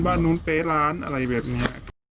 บ้านนู้นเป๊ะร้านอะไรแบบนี้